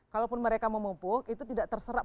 kalaupun mereka memupuk itu tidak terserap